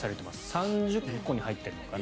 ３０個に入っているのかな。